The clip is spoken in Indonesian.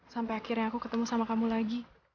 sampai akhirnya aku ketemu sama kamu lagi